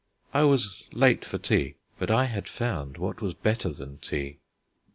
I was late for tea, but I had found what was better than tea.